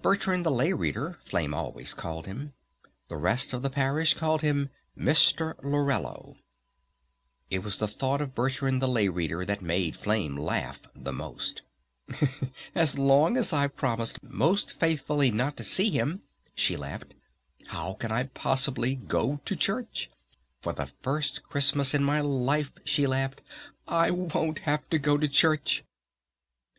"Bertrand the Lay Reader," Flame always called him. The rest of the Parish called him Mr. Laurello. It was the thought of Bertrand the Lay Reader that made Flame laugh the most. "As long as I've promised most faithfully not to see him," she laughed, "how can I possibly go to church? For the first Christmas in my life," she laughed, "I won't have to go to church!"